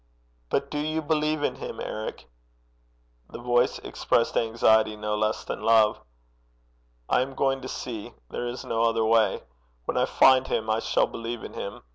'But you do believe in him, Eric?' The voice expressed anxiety no less than love. 'I am going to see. There is no other way. When I find him, I shall believe in him.